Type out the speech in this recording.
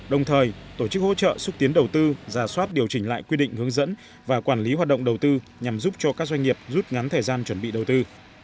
đồng thời tổ chức hỗ trợ xúc tiến đầu tư giả soát điều chỉnh lại quy định hướng dẫn và quản lý hoạt động đầu tư nhằm giúp cho các doanh nghiệp rút ngắn thời gian chuẩn bị đầu tư